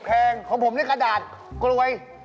แพงของผมนี่กระดาษกลวย